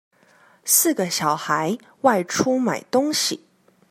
四個小孩外出買東西